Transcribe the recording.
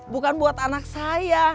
bukan buat anak saya